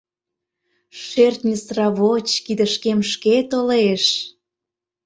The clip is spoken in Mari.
— Шӧртньӧ сравоч кидышкем шке толеш!